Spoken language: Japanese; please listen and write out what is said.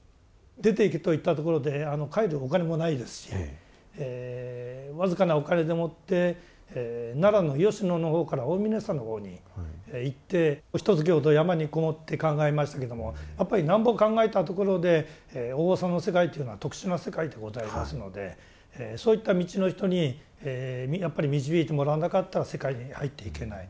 出て行けといったところで帰るお金もないですし僅かなお金でもって奈良の吉野のほうから大峰山のほうに行ってひとつきほど山に籠もって考えましたけどもやっぱりなんぼ考えたところでお坊さんの世界というのは特殊な世界でございますのでそういった道の人にやっぱり導いてもらわなかったら世界に入っていけない。